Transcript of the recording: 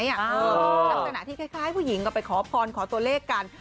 ลักษณะที่คล้ายผู้หญิงก็ไปขอพรขอตัวเลขกัน